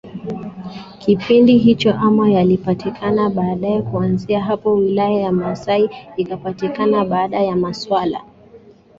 kipindi hicho ama yalipatikana baadae Kuanzia hapo wilaya ya Masai ikapatikana Baada ya maswala